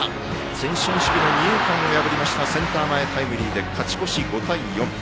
前進守備の二遊間を破りましたセンター前タイムリーで勝ち越し、５対４。